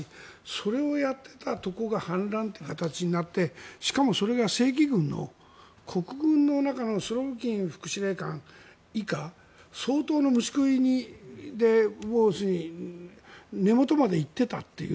それをやっていたところが反乱という形になってしかも、それが正規軍の国軍の中のスロビキン副司令官以下相当の虫食いで根元まで行っていたという。